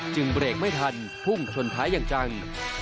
เบรกไม่ทันพุ่งชนท้ายอย่างจัง